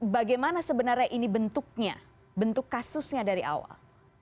bagaimana sebenarnya ini bentuknya bentuk kasusnya dari awal